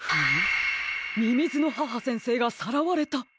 みみずの母先生がさらわれた！？